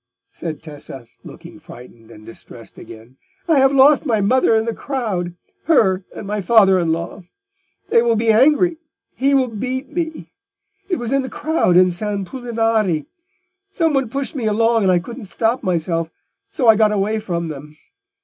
said Tessa, looking frightened and distressed again; "I have lost my mother in the crowd—her and my father in law. They will be angry—he will beat me. It was in the crowd in San Pulinari—somebody pushed me along and I couldn't stop myself, so I got away from them.